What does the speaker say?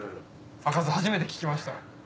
赤酢初めて聞きました。